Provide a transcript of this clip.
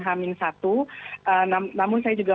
hamin satu namun saya juga